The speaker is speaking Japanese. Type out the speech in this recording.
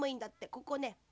ここね。